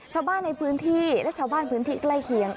ชาวบ้านในพื้นที่และชาวบ้านพื้นที่ใกล้เคียง